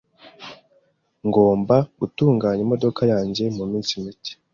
Ngomba gutunganya imodoka yanjye muminsi mike .